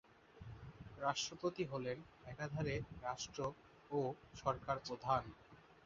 রাষ্ট্রপতি হলেন একাধারে রাষ্ট্র ও সরকার প্রধান।